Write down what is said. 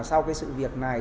sau cái sự việc này